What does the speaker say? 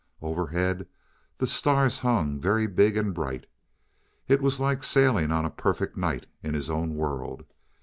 Overhead the stars hung very big and bright. It was like sailing on a perfect night in his own world.